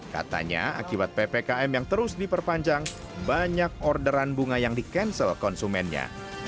katanya akibat ppkm yang terus diperpanjang banyak orderan bunga yang di cancel konsumennya